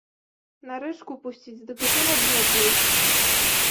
На рэчку пусціць, дык і то на дно пойдзе.